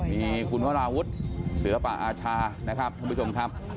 นี้คุณพระอาวุธเสื้อป่าอาชานะครับท่านผู้ชมครับ